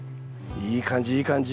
いい感じいい感じ。